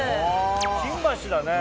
新橋だね。